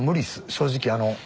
正直。